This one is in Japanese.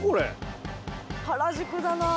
原宿だなあ。